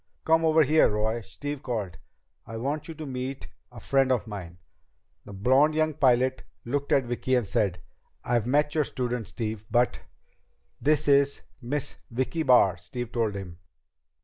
"Come over here, Roy," Steve called. "I want you to meet a friend of mine." The blond young pilot looked at Vicki as he said, "I've met your student, Steve, but ..." "This is Miss Vicki Barr," Steve told him.